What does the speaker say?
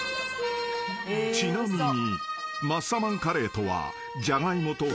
［ちなみに］